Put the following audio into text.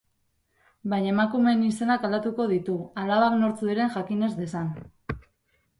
Baina emakumeen izenak aldatuko ditu, alabak nortzuk diren jakin ez dezan.